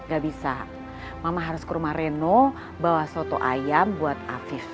gak bisa mama harus ke rumah reno bawa soto ayam buat afif